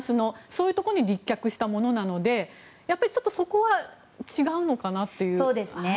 そういうところに立脚したものなのでそこは違うのかなという。